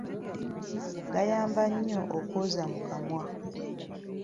Gayamba nnyo okwoza mu kamwa.